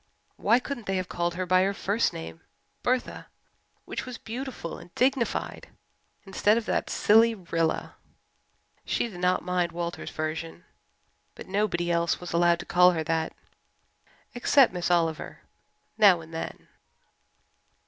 Why couldn't they have called her by her first name, Bertha, which was beautiful and dignified, instead of that silly "Rilla"? She did not mind Walter's version, but nobody else was allowed to call her that, except Miss Oliver now and then.